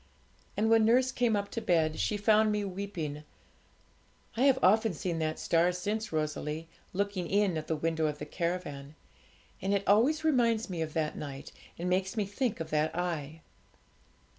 And when nurse came up to bed, she found me weeping. I have often seen that star since, Rosalie, looking in at the window of the caravan; and it always reminds me of that night, and makes me think of that Eye.